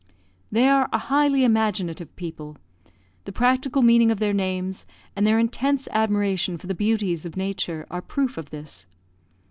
They are a highly imaginative people. The practical meaning of their names, and their intense admiration for the beauties of Nature, are proof of this.